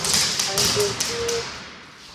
Anggoviwo.